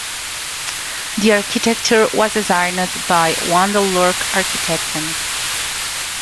The architecture was designed by Wandel Lorch Architekten.